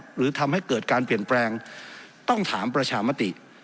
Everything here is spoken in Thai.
หรือทำให้เกิดการเปลี่ยนแปลงต้องถามประชามติ